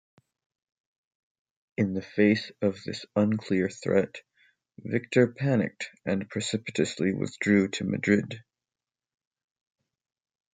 In the face of this unclear threat, Victor panicked and precipitously withdrew to Madrid.